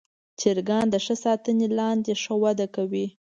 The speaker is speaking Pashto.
چرګان د ښه ساتنې لاندې ښه وده کوي.